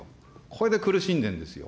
これで苦しんでるんですよ。